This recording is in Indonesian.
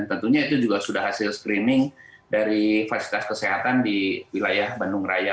tentunya itu juga sudah hasil screening dari fasilitas kesehatan di wilayah bandung raya